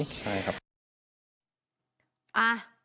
ใช่ครับ